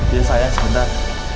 iya sayang sebentar